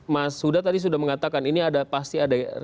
mas huda tadi sudah mengatakan ini ada pasti ada